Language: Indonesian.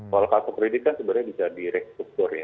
kalau kartu kredit kan sebenarnya bisa di restruktur ya